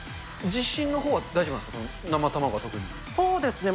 自信のほうは大丈夫なんですか？